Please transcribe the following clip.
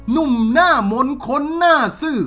ุ่มหน้ามนต์คนหน้าซื่อ